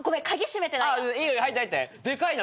でかいな。